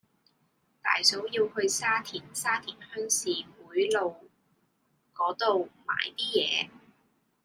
大嫂要去沙田沙田鄉事會路嗰度買啲嘢